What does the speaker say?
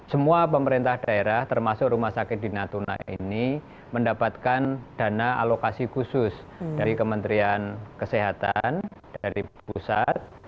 semua pemerintah daerah termasuk rumah sakit di natuna ini mendapatkan dana alokasi khusus dari kementerian kesehatan dari pusat